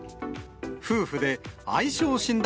夫婦で相性診断